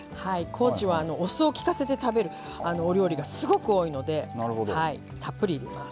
高知はお酢を利かせて食べるお料理がすごく多いのでたっぷり入れます。